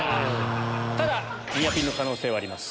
ただニアピンの可能性はあります